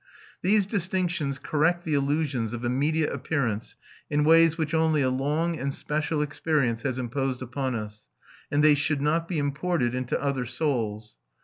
These distinctions correct the illusions of immediate appearance in ways which only a long and special experience has imposed upon us, and they should not be imported into other souls.